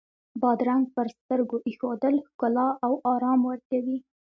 بادرنګ پر سترګو ایښودل ښکلا او آرام ورکوي.